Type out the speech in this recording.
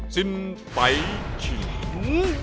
สิ้นไปจริง